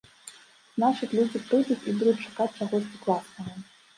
Значыць, людзі прыйдуць і будуць чакаць чагосьці класнага.